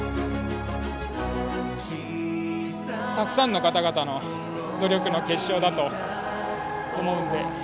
たくさんの方々の努力の結晶だと思うので。